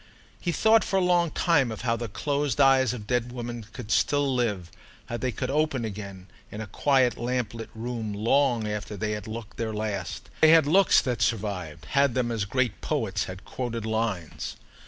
He thought for a long time of how the closed eyes of dead women could still live—how they could open again, in a quiet lamplit room, long after they had looked their last. They had looks that survived—had them as great poets had quoted lines.